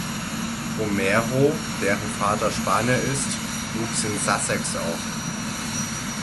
Romero, deren Vater Spanier ist, wuchs in Sussex auf.